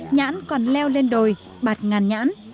nhãn còn leo lên đồi bạt ngàn nhãn